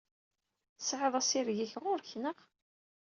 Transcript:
Tesɛiḍ assireg-ik ɣur-k, naɣ?